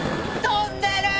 飛んでる！